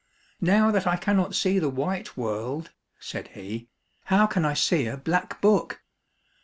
" Now that I cannot see the white world," said he, " how can I see a black book